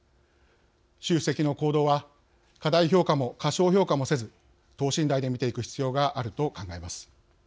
習主席の行動は過大評価も過小評価もせず等身大で見ていく必要があると考えます。